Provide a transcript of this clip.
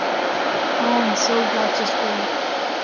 Oh, I’m so glad she’s pretty.